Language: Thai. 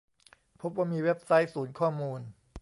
พบว่ามีเว็บไซต์ศูนย์ข้อมูล